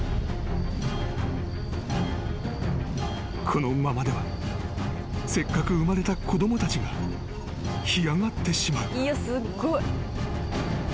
［このままではせっかく生まれた子供たちが干上がってしまう］